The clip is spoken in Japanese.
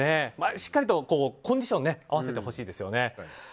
しっかりとコンディションを合わせてほしいですよね。